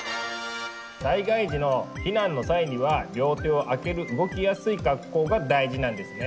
災害時の避難の際には両手を空ける動きやすい格好が大事なんですね。